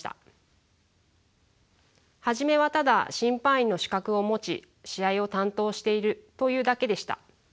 初めはただ審判員の資格を持ち試合を担当しているというだけでした。